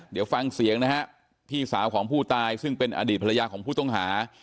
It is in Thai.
เดี๋ยวฟังเสียงนะฮะพี่สาวของผู้ตายซึ่งเป็นอดีตภรรยาของผู้ต้องหา